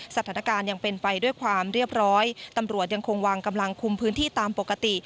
สถานการณ์ยังเป็นไปด้วยความเรียบร้อยตำรวจยังคงวางกำลังคุมพื้นที่ตามปกติ